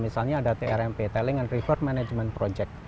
misalnya ada trmp tailing and rever management project